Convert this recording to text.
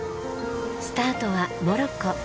スタートはモロッコ。